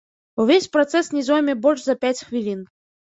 Увесь працэс не зойме больш за пяць хвілін.